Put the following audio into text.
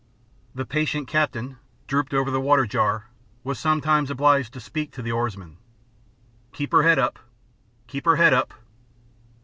The patient captain, drooped over the water jar, was sometimes obliged to speak to the oarsman. "Keep her head up! Keep her head up!"